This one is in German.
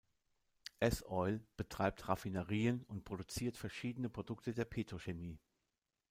S-Oil betreibt Raffinerien und produziert verschiedene Produkte der Petrochemie.